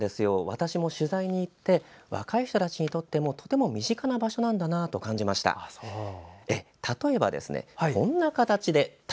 私も取材に行って若い人にとって身近な場所なんだなと感じました。